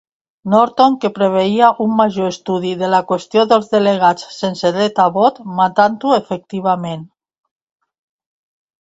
Norton que preveia un major estudi de la qüestió dels delegats sense dret a vot, matant-ho efectivament.